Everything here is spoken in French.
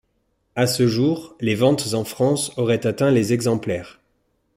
À ce jour, les ventes en France auraient atteint les exemplaires.